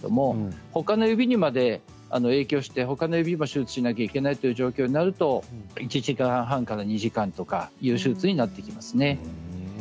ほかの指にまで影響してほかの指も手術しなければいけない状況になると１時間半から２時間とかという手術になります。